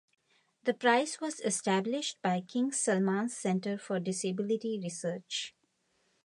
The prize was established by King Salman Center for Disability Research.